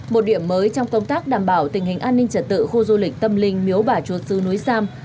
một điểm mới trong công tác đảm bảo tình hình an ninh trật tự khu du lịch tâm linh miếu bà chuột sư núi sam